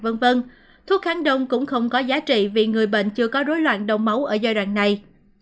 thuốc kháng viêm kháng đông cũng không có giá trị vì người bệnh chưa có rối loạn đông máu ở giai đoạn này